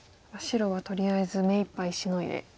白はとりあえず目いっぱいシノいで。